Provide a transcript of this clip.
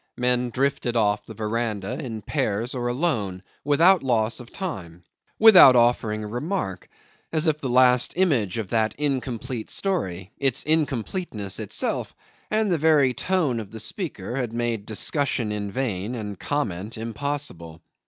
Men drifted off the verandah in pairs or alone without loss of time, without offering a remark, as if the last image of that incomplete story, its incompleteness itself, and the very tone of the speaker, had made discussion in vain and comment impossible.